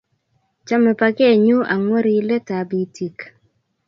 Chame paket nyu angwori let ab itiik